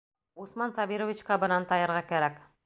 Усман Сабировичҡа бынан тайырға кәрәк!